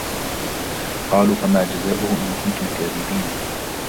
قَالُوا فَمَا جَزَاؤُهُ إِنْ كُنْتُمْ كَاذِبِينَ